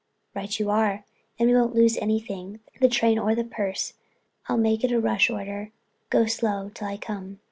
"Right you are, and we won't lose anything, the train or the purse. I'll make it a rush order. Go slow till I come."